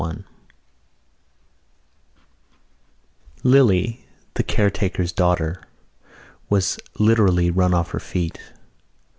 THE DEAD Lily, the caretaker's daughter, was literally run off her feet.